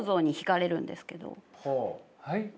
はい？